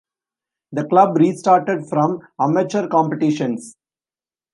The club restarted from amateur competitions.